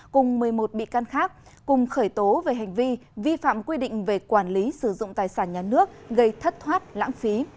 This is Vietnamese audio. cùng một mươi một bị can khác cùng khởi tố về hành vi vi phạm quy định về quản lý sử dụng tài sản nhà nước gây thất thoát lãng phí